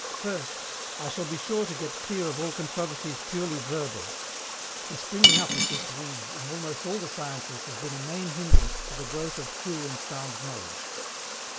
FIRST, I shall be sure to get clear of all controversies PURELY VERBAL the springing up of which weeds in almost all the sciences has been a main hindrance to the growth of true and sound knowledge.